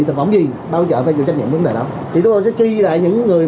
tệ bỏng gì ban quản lý chợ phải chịu trách nhiệm vấn đề đó thì chúng tôi sẽ ghi lại những người